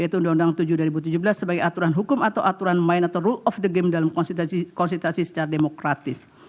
yaitu undang undang tujuh dua ribu tujuh belas sebagai aturan hukum atau aturan main atau rule of the game dalam konsultasi secara demokratis